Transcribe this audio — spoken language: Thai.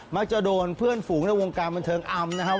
มักจะโดนเพื่อนฝูงในวงการบันเทิงอำนะครับ